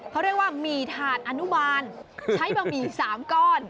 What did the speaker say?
เขาเรียกว่าหมี่ถาดอนุบาลใช้บะหมี่๓ก้อน